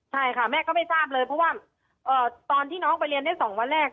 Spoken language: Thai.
ใช่ค่ะแม่ก็ไม่ทราบเลยเพราะว่าตอนที่น้องไปเรียนได้๒วันแรก